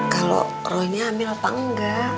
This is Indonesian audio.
kalau roh ini hamil apa enggak